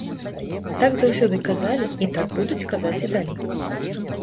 Так заўсёды казалі, і так будуць казаць і далей.